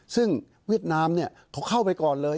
ซึ่งเวียดนามเขาเข้าไปก่อนเลย